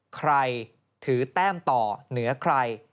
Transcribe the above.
ใครถือแต้มต่อเหนือใคร